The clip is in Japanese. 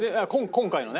今回のね。